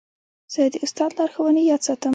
زه د استاد لارښوونې یاد ساتم.